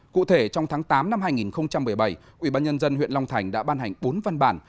cụ thể trong tháng tám năm hai nghìn một mươi bảy ubnd huyện long thành đã ban hành bốn văn bản